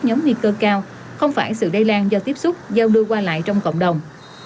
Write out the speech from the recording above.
nhóm nguy cơ cao không phải sự đay lan do tiếp xúc giao đưa qua lại trong cộng đồng